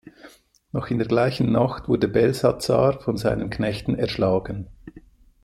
Noch in der gleichen Nacht wurde Belsazar von seinen Knechten erschlagen.